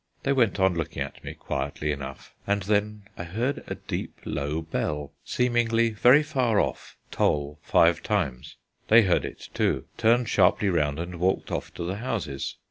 They went on looking at me quietly enough, and then I heard a deep low bell, seemingly very far off, toll five times. They heard it too, turned sharply round and walked off to the houses.